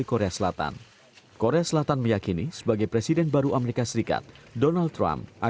mengandalkan kegagalan di mana hubungan antara amerika serikat dan rusia